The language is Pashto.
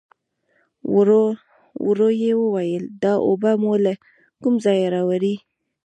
ورو يې وویل: دا اوبه مو له کوم ځايه راوړې؟